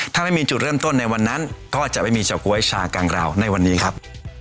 ถ้าไม่มีจุดเริ่มต้นในวันนั้นก็จะไม่มีเฉาก๊วยชากังราวในวันนี้ครับ